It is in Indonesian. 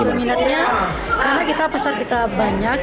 peminatnya karena kita pasar kita banyak